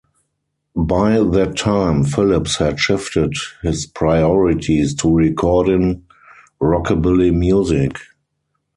By that time Phillips had shifted his priorities to recording rockabilly music.